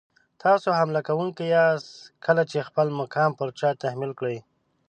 تاسو حمله کوونکي یاست کله چې خپل مقام پر چا تحمیل کړئ.